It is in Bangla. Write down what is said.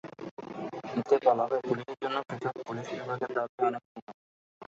এতে বলা হয়, পুলিশের জন্য পৃথক পুলিশ বিভাগের দাবি অনেক দিনের।